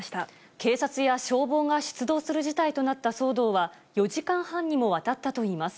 警察や消防が出動する事態となった騒動は、４時間半にもわたったといいます。